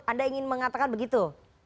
anda ingin mengatakan begitu